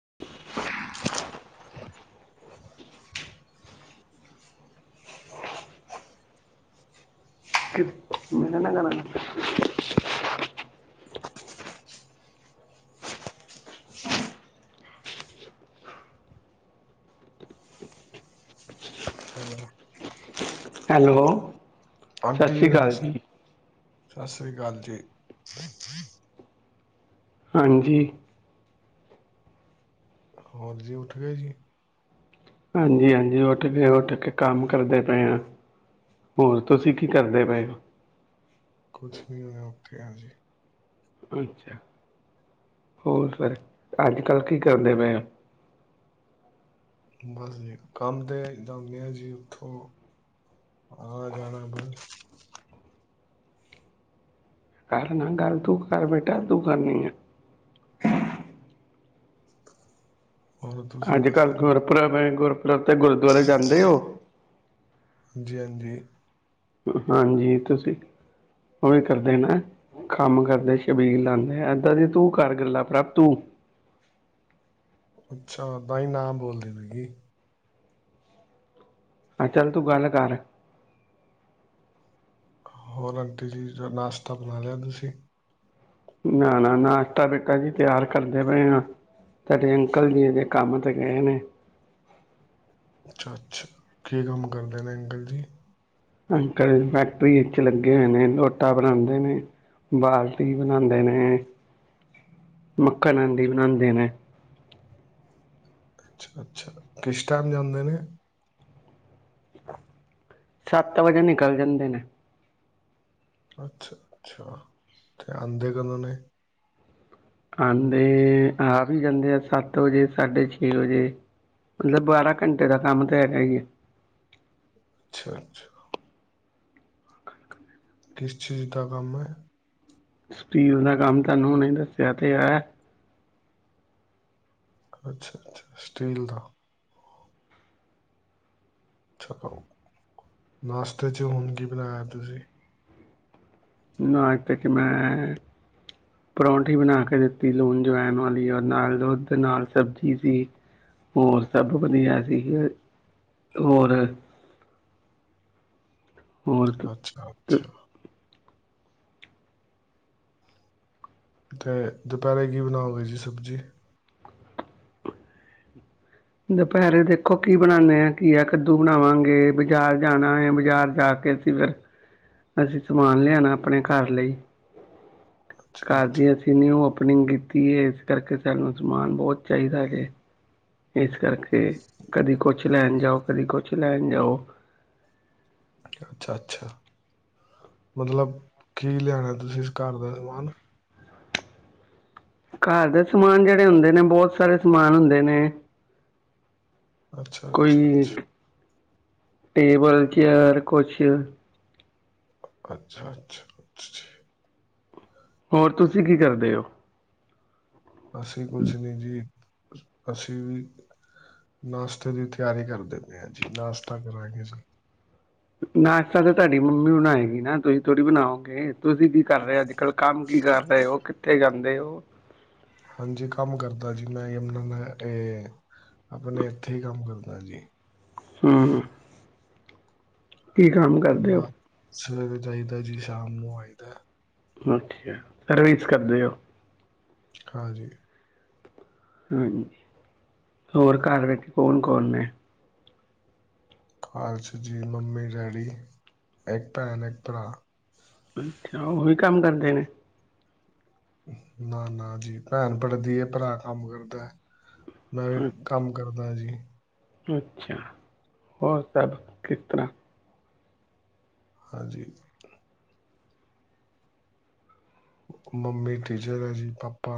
[inaudible] [unintelligible] Hello hello. ਸਤਿ aunty ji ਸ਼੍ਰੀ ਅਕਾਲ ਨਮਸਤੇ। ਸਤਿ ਸ੍ਰੀ ਅਕਾਲ ਜੀ। ਹਾਂਜੀ। ਹੋਰ ਜੀ, ਉੱਠ ਗਏ ਜੀ। ਹਾਂਜੀ-ਹਾਂਜੀ। ਉੱਠ ਗਏ, ਉੱਠ ਕੇ ਕੰਮ ਕਰਦੇ ਪਏ ਹ। ਹੋਰ ਤੁਸੀਂ ਕੀ ਕਰਦੇ ਪਏ ਹੋ। ਕਿ ਹਾਂਜੀ। ਅੱਛਾ, ਹੋਰ ਫੇਰ ਅੱਜ ਕੱਲ ਕੀ ਕਰਦੇ ਪਏ ਓ। ਬਸ ਜੀ, ਕੰਮ ਤੇ ਏਦਾਂ ਹੁੰਨੇ ਆ ਜੀ ਉਠੋ ਆ ਜਾਣੈ ਬਸ। ਕਰ ਨਾ ਗੱਲ ਤੂੰ ਕਰ ਬੇਟਾ ਤੂੰ ਕਰਨੀ ਐ। ਹੋਰ ਤੁਸੀਂ ਅੱਜ ਕੱਲ੍ਹ ਦੱਸੋ ਗੁਰਪੁਰਬ ਏ, ਗੁਰਪੁਰਬ ਤੇ ਗੁਰਦੁਆਰੇ ਜਾਂਦੇ ਓ। ਜੀ ਹਾਂਜੀ। ਹਾਂਜੀ ਤੁਸੀਂ ਉਹ ਵੀ ਕਰਦੇ ਨਾ ਕੰਮ ਕਰਦੇ ਸ਼ਬੀਲ ਲਾਉਂਦੇ ਏਦਾਂ ਦੀ ਤੂੰ ਕਰ ਗੱਲਾ, ਪ੍ਰਭ ਤੂੰ ਅੱਛਾ। ਤਾਂ ਹੀ ਨਾ ਬੋਲਦੇ ਪਏ ਸੀ। ਹਾਂ ਚੱਲ ਤੂੰ ਗੱਲ ਕਰ ਹੋਰ ਆਂਟੀ ਜੀ ਜਾ ਨਾਸ਼ਤਾ ਬਣਾ ਲਿਆ ਤੁਸੀਂ ਨਾ ਨਾ ਨਾਸ਼ਤਾ ਬੇਟਾ ਜੀ ਤਿਆਰ ਕਰਦੇ ਪਏ ਆ, ਤੁਹਾਡੇ ਅੰਕਲ ਜੀ ਅਜੇ ਕੰਮ ਤੇ ਗਏ ਨੇ ਅੱਛਾ-ਅੱਛਾ। ਕੀ ਕੰਮ ਕਰਦੇ ਨੇ ਅੰਕਲ ਜੀ। ਅੰਕਲ ਫੈਕਟਰੀ ਵਿੱਚ ਲੱਗੇ ਹੋਏ ਨੇ ਲੋਟਾਂ ਬਣਾਉਂਦੇ ਨੇ, ਬਾਲਟੀ ਬਣਾਉਂਦੇ ਨੇ, ਮੱਖਣ ਹਾਂਡੀ ਬਣਾਉਂਦੇ ਨੇ ਅੱਛਾ-ਅੱਛਾ। ਕਿਸ ਟਾਈਮ ਜਾਂਦੇ ਨੇ ਸੱਤ ਵਜੇ ਨਿਕਲ ਜਾਂਦੇ ਨੇ। ਅੱਛਾ ਅੱਛਾ ਤੇ ਆਉਂਦੇ ਕਦੋਂ ਨੇ ਆਉਂਦੇ ਆ ਵੀ ਜਾਂਦੇ ਆ ਸੱਤ ਵਜੇ ਸਾਢੇ ਛੇ ਵਜੇ ਮਤਲਬ ਬਾਰਾਂ ਘੰਟੇ ਦਾ ਕੰਮ ਤੇ ਹੈਗਾ ਈ ਐ ਅੱਛਾ ਅੱਛਾ ਕਿਸ ਚੀਜ਼ ਦਾ ਕੰਮ ਹੈ ਸਟੀਲ ਦਾ ਕੰਮ ਤੁਹਾਨੂੰ ਹੁਨੇ ਦੱਸਿਆ ਤੇ ਹੈ ਅੱਛਾ ਅੱਛਾ ਸਟੀਲ ਦਾ ਅੱਛਾਓ ਨਾਸ਼ਤੇ ਚ ਹੁਣ ਕੀ ਬਣਾਇਆ ਤੁਸੀਂ ਨਾਸ਼ਤੇ ਚ ਮੈਂ ਪਰੌਂਠੀ ਬਣਾ ਕੇ ਦਿੱਤੀ ਲੂਣ ਜਵੈਣ ਵਾਲੀ ਔਰ ਨਾਲ ਦੁੱਧ ਤੇ ਨਾਲ ਸਬਜ਼ੀ ਸੀ ਹੋਰ ਸਭ ਵਧੀਆ ਸੀ ਹੋਰ ਹੋਰ ਅੱਛਾ ਅੱਛਾ ਤੇ ਦੁਪਹਿਰੇ ਕੀ ਬਣਾਓਗੇ ਜੀ ਸਬਜ਼ੀ ਦੁਪਹਿਰੇ ਦੇਖੋ ਕੀ ਬਣਾਉਦੇ ਆ ਘੀਆ ਕੱਦੂ ਬਣਾਵਾਂਗੇ ਬਾਜ਼ਾਰ ਜਾਣਾ ਹੈ ਬਜ਼ਾਰ ਜਾ ਕੇ ਅਸੀਂ ਫਿਰ ਅਸੀਂ ਸਮਾਨ ਲਿਆਣਾ ਆਪਣੇ ਘਰ ਲਈ ਅੱਛਾ ਘਰ ਅੱਛਾ ਦੀ ਅਸੀਂ ਨਿਉ ਅਪ ਓਪਨਿੰਗ ਕੀਤੀ ਹੈ ਇਸ ਕਰਕੇ ਸਾਨੂੰ ਸਮਾਨ ਬਹੁਤ ਚਾਹੀਦਾ ਹੈ ਹਜੇ ਇਸ ਕਰਕੇ ਕਦੀ ਕੁਛ ਲੈਣ ਜਾਓ ਕਦੀ ਕੁਛ ਲੈਣ ਜਾਓ ਅੱਛਾ ਅੱਛਾ ਮਤਲਬ ਕੀ ਲਿਆਣਾ ਤੁਸੀਂ ਇਸ ਘਰ ਦਾ ਸਮਾਨ ਘਰ ਦੇ ਸਮਾਨ ਜਿਹੜੇ ਹੁੰਦੇ ਨੇ ਬਹੁਤ ਸਾਰੇ ਸਮਾਨ ਹੁੰਦੇ ਨੇ ਅੱਛਾ ਅੱਛਾ ਕੋਈ ਅੱਛਾ ਟੇਬਲ ਚੇਅਰ ਕੁਛ ਅੱਛਾ ਅੱਛਾ ਅੱਛਾ ਜੀ ਹੋਰ ਤੁਸੀਂ ਕੀ ਕਰਦੇ ਹੋ ਅਸੀਂ ਕੁਛ ਨੀ ਜੀ ਅਸੀਂ ਵੀ ਨਾਸ਼ਤੇ ਦੀ ਤਿਆਰੀ ਕਰਦੇ ਪਏ ਹਾਂ ਜੀ ਨਾਸ਼ਤਾ ਕਰਾਂਗੇ ਜੀ ਨਾਸ਼ਤਾ ਤਾਂ ਤੁਹਾਡੀ ਮੰਮੀ ਬਣਾਏਗੀ ਨਾ ਤੁਸੀਂ ਥੋੜੀ ਬਣਾਓਗੇ ਤੁਸੀਂ ਕੀ ਕਰ ਰਹੇ ਹੋ ਅੱਜ ਕੱਲ੍ਹ ਕੰਮ ਕੀ ਕਰ ਰਹੇ ਹੋ ਕਿੱਥੇ ਕਰ ਆਦੇ ਉਹ, ਹਾਂਜੀ ਕੰਮ ਕਰਦਾ ਜੀ, ਯਮਨਾਗਰ ਏ ਮੈਂ ਮ ਇਹ ਆਪਣੇ ਇੱਥੇ ਹੀ ਕੰਮ ਕਰਦਾ ਜੀ। ਹਮ ਕੀ ਕੰਮ ਕਰਦੇ ਹੋ। ਆਪਣਾ ਸਵੇਰੇ ਜਈਦਾ ਜੀ ਸ਼ਾਮ ਨੂੰ ਆਈਦਾ। ਅੱਛਾ ਸਰਵਿਸ ਕਰਦੇ ਹੋ। ਹਾਂਜੀ, ਹਾਂਜੀ ਹੋਰ ਘਰ ਵਿੱਚ ਕੌਣ-ਕੌਣ ਨੇ, ਘਰ ਚ ਜੀ ਮੰਮੀ ਡੈਡੀ ਇੱਕ ਭੈਣ ਇੱਕ ਭਰਾ ਅੱਛਾ ਉਹੀ ਕੰਮ ਕਰਦੇ ਨੇ, ਨਾ-ਨਾ ਜੀ ਭੈਣ ਪੜ੍ਹਦੀ ਹੈ, ਭਰਾ ਕੰਮ ਕਰਦਾ ਹੈ। ਮੈਂ ਵੀ ਅ- ਕੰਮ ਕਰ, ਪਤਾ ਜੀ। ਅੱਛਾ ਹੋਰ ਸਭ ਕਿਸ ਤਰ੍ਹਾਂ? ਹਾਂਜੀ, ਮੰਮੀ ਟੀਚਰ ਹੈ, ਜੀ ਪਾਪਾ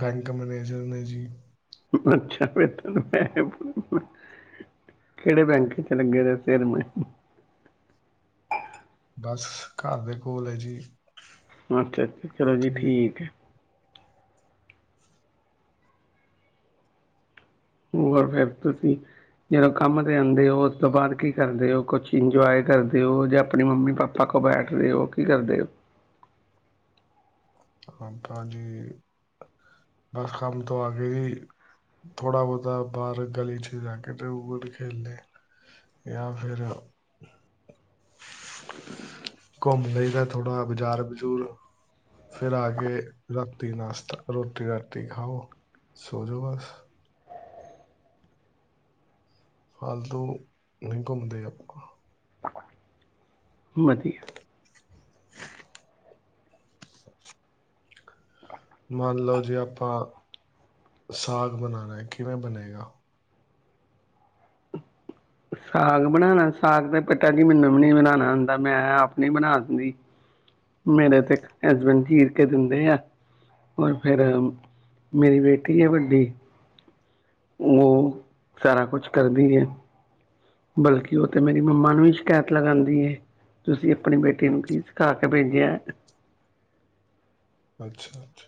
ਬੈਂਕ ਮੈਨੇਜਰ ਨੇ ਜੀ, [inaudible] ਕਿਹੜੇ ਬੈਂਕ ਚ ਲੱਗੇ ਨੇ ਬਸ ਘਰ ਦੇ ਕੋਲ ਹੈ ਜੀ, ਅੱਛਾ-ਅੱਛਾ ਚਲੋ, ਜੀ ਤੇ ਠੀਕ ਹੈ। ਹੋਰ ਫਿਰ ਤੁਸੀਂ ਜਦੋਂ ਕੰਮ ਤੇ ਆਂਦੇ ਹੋ ਉਸ ਤੋਂ ਬਾਅਦ ਕੀ ਕਰਦੇ ਹੋ ਕੁਛ ਇੰਜੋਏ ਕਰਦੇ ਹੋ, ਜਾਂ ਆਪਣੀ ਮੰਮੀ ਪਾਪਾ ਕੋਲ ਬੈਠਦੇ ਹੋ ਕੀ ਕਰਦੇ ਹੋ। ਹਾਂ ਭਾਜੀ ਬਸ ਕੰਮ ਤੋਂ ਆ ਕੇ ਵੀ ਥੋੜਾ ਬਹੁਤਾ ਬਾਹਰ ਗਲੀ ਚ ਜਾ ਕੇ ਤੇ ਉਟ ਖੇਲ ਲੇ ਜਾਂ ਫਿਰ ਘੁੰਮ ਲਈ ਤਾਂ ਥੋੜਾ ਬਾਜ਼ਾਰ ਬਜੂਰ ਫਿਰ ਆ ਕੇ ਰਾਤੀ ਨਾਸ਼ਤਾ ਰੋਟੀ- ਰਾਟੀ ਖਾਓ, ਸੋਜੋ ਬਸ। ਫਾਲਤੂ ਨੀ ਘੁੰਮਦੇ ਆਪਾਂ। ਵਧੀਆ, [unintelligible] ਮੰਨ ਲਓ ਜੀ ਆਪਾਂ ਸਾਗ ਬਣਾਣਾ ਹੈ, ਕਿਵੇਂ ਬਣੇਗਾ? ਸਾਗ ਬਣਾਣਾ ਸਾਗ ਤੇ ਬੇਟਾ ਜੀ ਮੈਨੂੰ ਵੀ ਨਹੀਂ ਬਣਾਣਾ ਆਂਦਾ ਮੈਂ ਆਪ ਨੀ ਬਣਾ ਦਿੰਦੀ ਮੇਰੇ ਤੇ ਹਸਬੈਂਡ ਚੀਰ ਕੇ ਦਿੰਦੇ ਐ, ਹੋਰ ਫੇਰ ਮੇਰੀ ਬੇਟੀ ਆ ਵੱਡੀ ਉਹ ਸਾਰਾ ਕੁਛ ਕਰਦੀ ਹੈ। ਬਲਕਿ ਉਹ ਤੇ ਮੇਰੀ ਮੰਮਾ ਨੂੰ ਵੀ ਸ਼ਿਕਾਇਤ ਲਗਾਂਦੀ ਐ ਤੁਸੀਂ ਆਪਣੀ ਬੇਟੀ ਨੂੰ ਪਲੀਜ ਘਰ ਤੇ ਭੇਜ ਇਐ। ਅੱਛਾ-ਅੱਛਾ,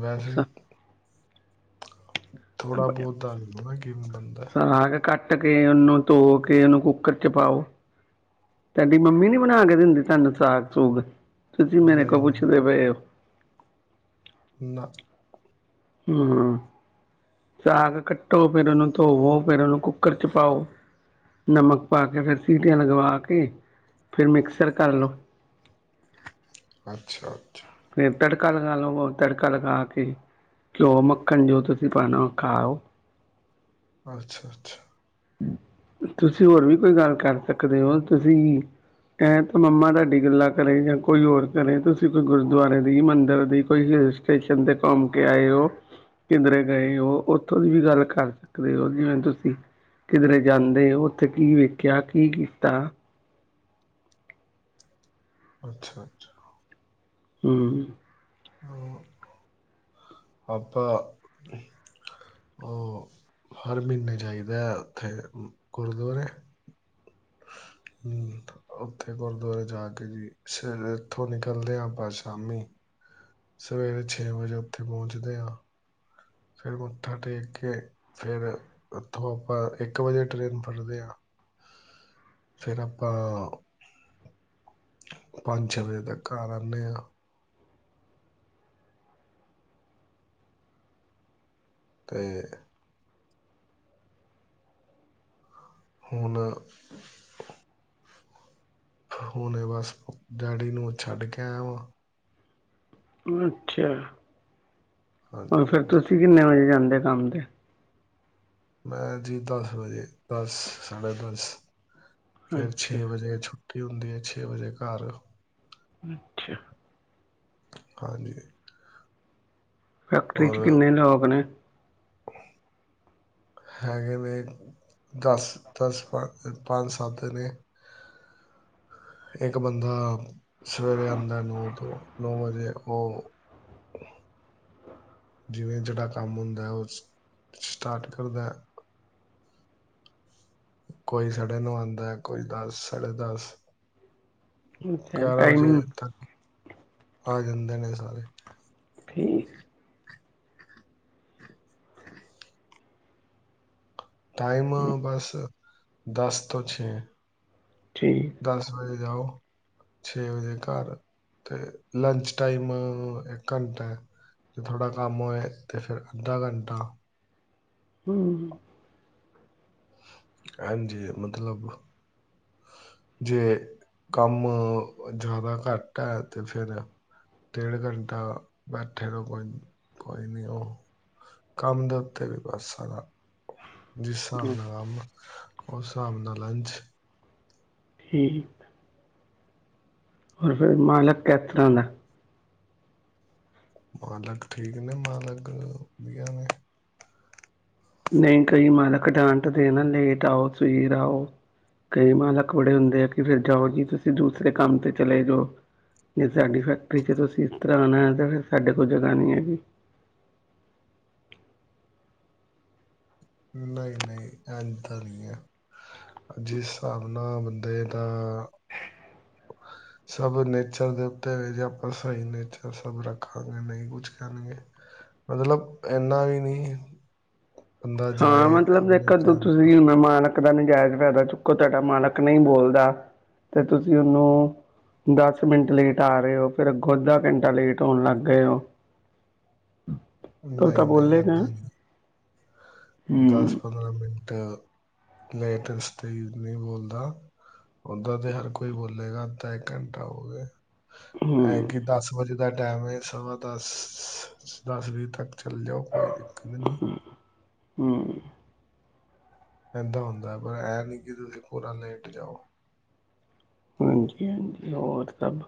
ਵੈਸੇ ਈ ਭੇਜਿਆ ਥੋੜਾ ਬਹੁਤ ਦੱਸ ਦੇਵਾ ਕਿਵੇਂ ਬੰਨਦਾ। ਸਾਗ ਕੱਟ ਕੇ ਉਹਨੂੰ ਧੋ ਕੇ ਉਹਨੂੰ ਕੁੱਕਰ ਚ ਪਾਓ, ਤੁਹਾਡੀ ਮੰਮੀ ਨੀ ਬਣਾ ਕੇ ਦਿੰਦੀ ਤੁਹਾਨੂੰ ਸਾਗ ਸੁੂਗ। ਤੁਸੀਂ ਮੇਰੇ ਨਹੀਂ ਕੋ ਨਹੀਂ ਪੁੱਛਦੇ ਪਏ ਔ। ਨਾ, ਹੂੰ, ਸਾਗ ਕੱਟੋ ਫਿਰ ਉਹਨੂੰ ਧੋਵੋ ਫਿਰ ਉਹਨੂੰ ਕੁੱਕਰ ਚ ਪਾਓ, ਨਮਕ ਪਾ ਕੇ ਫਿਰ ਸੀਟੀਆਂ ਲਗਵਾ ਕੇ ਫਿਰ ਮਿਕਸਰ ਕਰ ਲਓ। ਅੱਛਾ-ਅੱਛਾ, ਫਿਰ ਤੜਕਾ ਲਗਾ ਲੋ ਹੋਰ ਤੜਕਾ ਲਗਾ ਕੇ ਘਿਓ- ਮੱਖਣ ਜੋ ਤੁਸੀਂ ਪਾਣਾ ਖਾਓ। ਅੱਛਾ, ਅੱਛਾ। ਤੁਸੀਂ ਹੋਰ ਵੀ ਕੋਈ ਗੱਲ ਕਰ ਸਕਦੇ ਔ ਤੁਸੀਂ ਐ ਤਾਂ ਮੰਮਾ ਤਾਡੀ ਗੱਲਾਂ ਕਰੇ ਯਾ ਕੋਈ ਹੋਰ ਕਰੇ ਤੁਸੀਂ ਕੋਈ ਗੁਰਦੁਆਰੇ ਦੀ ਮੰਦਿਰ ਦੀ ਕੋਈ ਹਿਲ ਸਟੇਸ਼ਨ ਤੇ ਘੁੰਮ ਕੇ ਆਏ ਔ ਕਿਧਰੇ ਗਏ ਔ ਓਥੋਂ ਦੀ ਵੀ ਗੱਲ ਕਰ ਸਕਦੇ ਹੋ, ਜਿਵੇਂ ਤੁਸੀਂ ਕਿਧਰੇ ਜਾਂਦੇ ਔ ਓਥੇ ਕੀ ਵੇਖਿਆ ਕੀ ਕੀਤਾ ਅੱਛਾ, ਅੱਛਾ। ਹੂੰ। ਹੋ, ਆਪਾਂ ਔ ਹਰ ਮਹੀਨੇ ਜਾਈਦੈ ਔਥੇ ਗੁਰਦੁਆਰੇ ਹੂੰ ਔਥੇ ਗੁਰਦੁਆਰੇ ਜਾ ਕੇ ਜੀ ਸਾਰੇ ਐਥੋਂ ਨਿਕਲਦੇ ਆ ਆਪਾਂ ਸ਼ਾਮੀ। ਸਵੇਰੇ ਛੇ ਵਜੇ ਔਥੇ ਪੌਂਚਦੇ ਆਂ। ਫੇਰ ਮੱਥਾ ਟੇਕ ਕੇ ਫੇਰ ਉੱਥੋਂ ਆਪਾਂ ਇੱਕ ਵਜੇ ਟਰੇਨ ਫੜਦੇ ਆਂ। ਫਿਰ ਆਪਾਂ ਪੰਜ ਛੇ ਵਜੇ ਤੱਕ ਘਰ ਆਣੇ ਆਂ। ਤੇ ਹੁਣ ਹੁਣੇ ਬਸ ਡੈਡੀ ਨੂੰ ਛੱਡ ਕੇ ਆਇਆ ਵਾਂ। ਅੱਛਾ। ਹਾਂਜੀ ਹੁਣ ਫੇਰ ਹਾਂਜੀ ਤੁਸੀਂ ਕਿੰਨੇ ਵਜੇ ਜਾਂਦੇ ਦੇ ਕੰਮ ਤੇ ਮੈਂ ਜੀ ਦਸ ਵਜੇ ਦਸ ਸਾਢੇ ਦਸ। ਫੇਰ ਅੱਛਾ ਛੇ ਵਜੇ ਛੁੱਟ ਟੀ ਹੁੰਦੀ ਐ ਛੇ ਵਜੇ ਘਰ। ਅੱਛਾ। ਹਾਂਜੀ। ਫੈਕਟਰੀ ਚ ਔਰ ਕਿੰਨੇ ਲੋਕ ਨੇ? ਹੈਗੇ ਨੇ ਦਸ ਦਸ ਪੰਜ ਸੱਤ ਨੇ। ਇੱਕ ਬੰਦਾ ਸਵੇਰੇ ਆਂਦੈ ਨੌ ਤੋਂ ਨੌ ਵਜੇ ਔ ਜਿਵੇਂ ਜਿਹੜਾ ਕੰਮ ਹੁੰਦੈ ਔ ਸਟਾਰਟ ਕਰਦੈ। ਕੋਈ ਸਾਢੇ ਨੌਂ ਆਂਦਾ, ਕੋਈ ਦਸ ਸਾਢੇ ਦਸ। ਅੱਛਾ ਗਿਆਰਾਂ ਵਜੇ ਟਾਈਮਿੰਗ ਤੱਕ ਆ ਜਾਂਦੇ ਨੇ ਸਾਰੇ। ਠੀਕ। ਟਾਈਮ ਬਸ ਦਸ ਤੋਂ ਛੇ। ਠੀਕ ਦਸ ਵਜੇ। ਜਾਓ ਛੇ ਵਜੇ ਘਰ ਤੇ ਲੰਚ ਟਾਈਮ ਇੱਕ ਘੰਟੇ ਜੇ ਥੋੜਾ ਕੰਮ ਹੋਏ ਤੇ ਫੇਰ ਅੱਧਾ ਘੰਟਾ। ਹੂੰ। ਹਾਂਜੀ, ਮਤਲਬ ਜੇ ਕੰਮ ਜਿਆਦਾ ਘੱਟ ਹੈ ਤੇ ਫੇਰ ਡੇਢ ਘੰਟਾ ਬੈਠੇ ਰੋ ਕੋਈ ਕੋਈ ਨੀ ਔ ਕੰਮ ਦੇ ਉੱਤੇ ਵੀ ਬਸ ਸਾਰਾ। ਜਿਸ ਸਾਬ ਨਾਲ ਕੰਮ ਆ। ਉਸ ਸਾਬ ਨਾਲ ਲੰਚ। ਠੀਕ। ਹੋਰ, ਫਿਰ ਮਾਲਕ ਕਿਸ ਤਰ੍ਹਾਂ ਦਾ? ਮਾਲਕ ਠੀਕ ਨੇ ਮਾਲਕ ਵਧੀਆ ਨੇ। ਨਹੀਂ ਕਈ ਮਾਲਕ ਡਾਂਟਦੇ ਨਾ ਲੇਟ ਆਓ ਸਵੇਰ ਆਓ, ਕਈ ਮਾਲਕ ਬੜੇ ਹੁੰਦੇ ਆ ਕਿ ਫਿਰ ਜਾਓ ਜੀ ਤੁਸੀਂ ਦੂਸਰੇ ਕੰਮ ਤੇ ਚਲੇ ਜੋ, ਜੇ ਸਾਡੀ ਫੈਕਟਰੀ ਚ ਤੁਸੀਂ ਇਸ ਤਰ੍ਹਾਂ ਆਣਾ ਹੈ ਤੇ ਫਿਰ ਸਾਡੇ ਕੋਲ ਜਗ੍ਹਾ ਨੀ ਹੈਗੀ। ਨਹੀਂ ਨਹੀਂ ਐਂਜ ਤਾਂ ਨੀ ਹੈ। ਜਿਸ ਸਾਬ ਨਾਲ ਬੰਦੇ ਦਾ ਸਭ ਨੇਚਰ ਦੇ ਉੱਤੇ ਜੇ ਆਪਾਂ ਸਹੀ ਨੇਚਰ ਸਭ ਰੱਖਾਂਗੇ ਨਹੀਂ ਕੁਛ ਕੈਣਗੇ ਮਤਲਬ ਐਨਾ ਵੀ ਨੀ ਹਾਂ ਮਤਲਬ [unintelligible] ਤੁਸੀਂ ਹਣ ਮੈਂ ਮ ਦਾ ਨਾਜਾਇਜ਼ ਫੈਦਾ ਚੁੱਕੋ ਤੁਹਾਡਾ ਮਾਲਕ ਨਹੀਂ ਬੋਲਦਾ ਤੇ ਤੁਸੀਂ ਉਹਨੂੰ ਦਸ ਮਿੰਟ ਲੇਟ ਆ ਰਹੇ ਹੋ ਫਿਰ ਅੱਗੋਂ ਅੱਧਾ ਘੰਟਾ ਲੇਟ ਹੋਣ ਲੱਗ ਗਏ ਹੋ। ਤਾਂ ਉਹ ਤਾਂ ਨਹੀਂ ਨਹੀਂ ਬੋਲੇਗਾ ਏਦਾਂ ਨਹੀਂ। ਦਸ ਹੂੰ ਪੰਦਰਾਂ ਮਿੰਟ ਲੇਟਸ ਤੇ ਨਹੀਂ ਬੋਲਦਾ ਓਦਾਂ ਤੇ ਹਰ ਕੋਈ ਬੋਲੇਗਾ ਅੱਧਾ ਇੱਕ ਘੰਟਾ ਹੋ ਗਿਆ। ਐ ਹੂੰ ਕਿ ਦਸ ਵਜੇ ਦਾ ਟੈਮ ਹੈ ਸਵਾ ਦਸ ਦਸ ਵੀਹ ਤੱਕ। ਚੱਲ ਜਾਓ ਕੋਈ ਦਿੱਕਤ ਨਹੀ ਏ। ਹੂੰ। ਪੈਂਦਾ ਹੁੰਦਾ ਹੈ ਪਰ ਇਹ ਨਹੀਂ ਕਿ ਤੁਸੀਂ ਪੂਰਾ ਲੇਟ ਜਾਓ। ਹਾਂਜੀ ਹਾਂਜੀ ਹੋਰ ਸਭ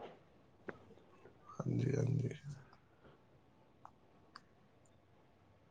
ਹਾਂਜੀ ਹਾਂਜੀ।